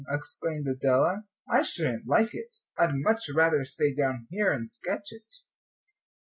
exclaimed Adela, "I shouldn't like it. I'd much rather stay down here, and sketch it."